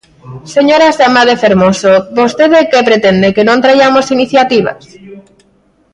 Señora Sambade Fermoso, vostede ¿que pretende?, ¿que non traiamos iniciativas?